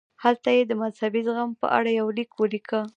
هلته یې د مذهبي زغم په اړه یو لیک ولیکه.